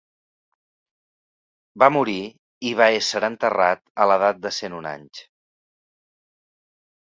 Va morir i hi va ésser enterrat a l'edat de cent un anys.